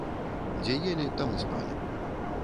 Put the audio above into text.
Дзе елі, там і спалі.